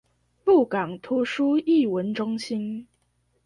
鹿港圖書藝文中心